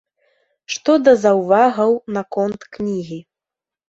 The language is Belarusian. Што да заўвагаў наконт кнігі.